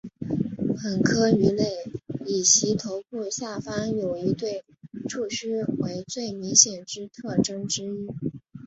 本科鱼类以其头部下方有一对触须为最明显之特征之一。